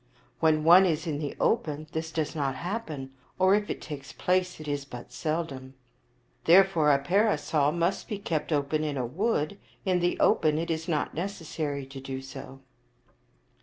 When one is in the open this does not happen, or, if it takes place, it is but seldom. Therefore a parasol must be kept open in a wood; in the open it is not necessary to do so."